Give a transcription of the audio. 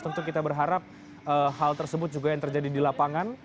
tentu kita berharap hal tersebut juga yang terjadi di lapangan